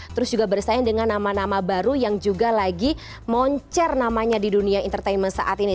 terus juga bersaing dengan nama nama baru yang juga lagi moncer namanya di dunia entertainment saat ini